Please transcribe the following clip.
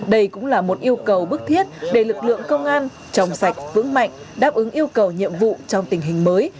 đây cũng là một yêu cầu bức thiết để lực lượng công an tròn sạch vững mạnh đáp ứng yêu cầu nhiệm vụ trong tình hình mới